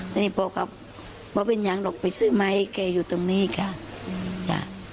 แต่นี่พ่อเขาพ่อเป็นอย่างหลอกไปซื้อมาให้เกย์อยู่ตรงนี้ค่ะค่ะ